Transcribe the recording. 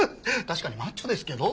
確かにマッチョですけど。